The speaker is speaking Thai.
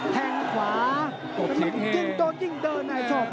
แผ้งขวา